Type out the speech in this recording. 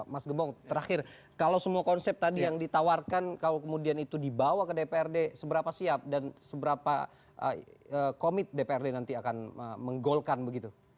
mas gembong terakhir kalau semua konsep tadi yang ditawarkan kalau kemudian itu dibawa ke dprd seberapa siap dan seberapa komit dprd nanti akan menggolkan begitu